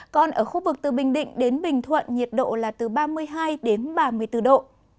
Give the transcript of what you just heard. còn ở khu vực từ bình định đến bình thuận nhiệt độ là từ ba mươi hai đến ba mươi bốn độ